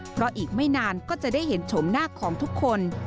เพราะอีกไม่นานก็จะได้เห็นชมหน้าของทุกคน